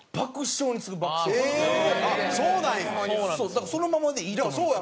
だからそのままでいいと思う。